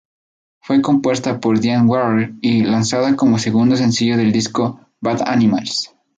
Fue compuesta por Diane Warren y lanzada como segundo sencillo del disco "Bad Animals".